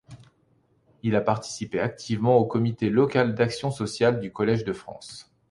Il a participé activement au Comité local d'action sociale du Collège de France.